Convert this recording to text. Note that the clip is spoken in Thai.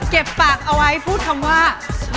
เก็บปากเอาไว้พูดคำว่า